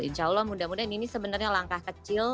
insya allah muda muda ini sebenarnya langkah kecil